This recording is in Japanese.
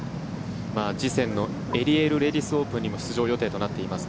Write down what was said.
次戦のエリエールレディスオープンにも出場予定となっています